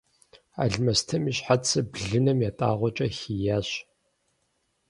Алмэстым и щхьэцыр блыным ятӏагъуэкӏэ хийящ.